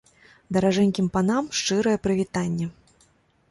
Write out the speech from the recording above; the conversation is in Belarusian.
Даражэнькім панам шчырае прывітанне.